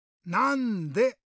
「なんで？」。